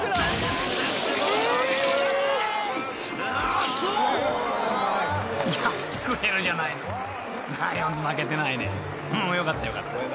［うんよかったよかった。